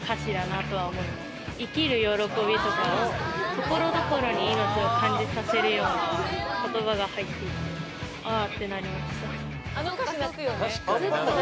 ところどころに命を感じさせるような言葉が入っていてああってなりました。